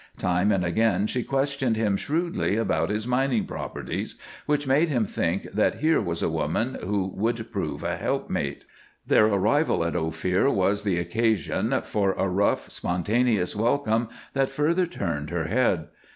Time and again she questioned him shrewdly about his mining properties, which made him think that here was a woman who would prove a helpmate. Their arrival at Ophir was the occasion for a rough, spontaneous welcome that further turned her head.